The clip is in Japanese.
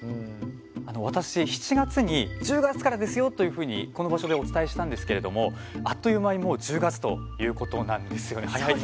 私、７月に１０月からですよというふうにこの場所でお伝えしたんですけれどもあっという間に、もう１０月ということなんですよね。